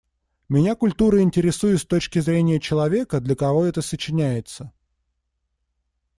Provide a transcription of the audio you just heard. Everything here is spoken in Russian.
Меня культура интересует с точки зрения человека, для кого это сочиняется.